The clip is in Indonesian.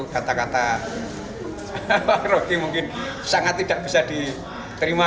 kata kata roky mungkin sangat tidak bisa diterima